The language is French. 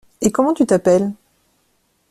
Et comment tu t’appelles?